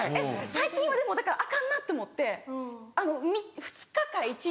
最近はでもアカンなと思って２日か１日に。